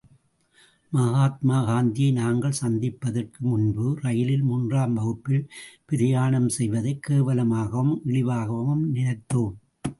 மகாத்மா காந்தியை நாங்கள் சந்திப்பதற்கு முன்பு, ரயிலில் மூன்றாம் வகுப்பில் பிரயாணம் செய்வதைக் கேவலமாகவும், இழிவாகவும் நினைத்தோம்.